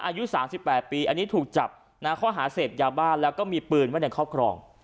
อายุ๓๘ปีอันนี้ถูกจับข้อหาเสพยาบ้านแล้วก็มีปืนไว้ในครอบครอง